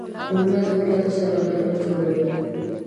رومیان له پیازو سره قیمه جوړه وي